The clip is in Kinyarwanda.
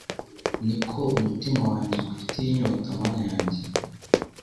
ni ko umutima wanjye ugufitiye inyota Mana yanjye